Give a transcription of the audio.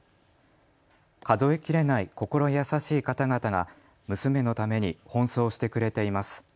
数えきれない心優しい方々が娘のために奔走してくれています。